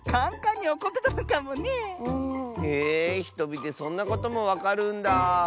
へえひとみでそんなこともわかるんだ。